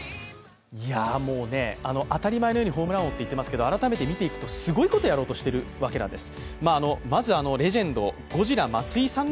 当たり前のようにホームラン王と言っていますけど、見ていきますとすごいことをやろうとしているわけなんです。